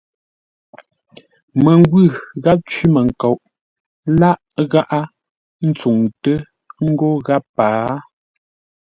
Məngwʉ̂ gháp cwímənkoʼ láʼ ngáʼá ntsuŋtə́ ńgó gháp pâa.